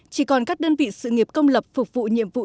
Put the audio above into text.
chỉ còn các đơn vị sự nghiệp công lập phục vụ nhiệm vụ